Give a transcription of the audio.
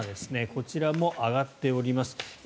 こちらも上がっております。